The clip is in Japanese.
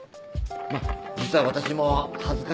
まぁ実は私も恥ずかしながら。